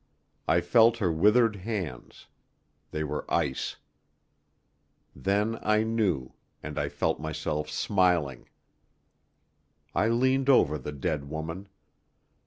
I felt her withered hands: they were ice. Then I knew, and I felt myself smiling. I leaned over the dead woman.